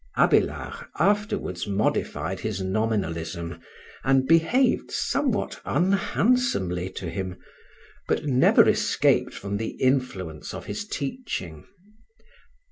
Abélard afterwards modified his nominalism and behaved somewhat unhandsomely to him, but never escaped from the influence of his teaching.